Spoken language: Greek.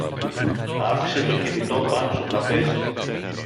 Άφησε το κινητό πάνω στο τραπέζι